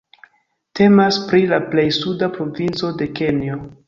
Temas pri la plej suda provinco de Kenjo.